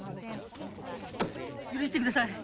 許してください。